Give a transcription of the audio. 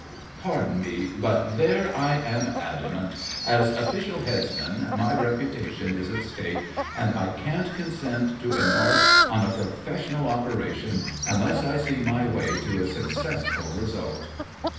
Pardon me, but there I am adamant. As official Headsman, my reputation is at stake, and I can't consent to embark on a professional operation unless I see my way to a successful result.